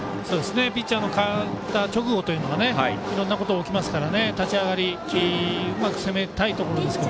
ピッチャーの代わった直後というのはいろんなことが起こりますから立ち上がりうまく攻めたいところですが。